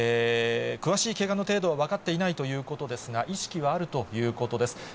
詳しいけがの程度は分かっていないということですが、意識はあるということです。